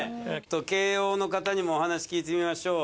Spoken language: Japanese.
慶応の方にもお話聞いてみましょう。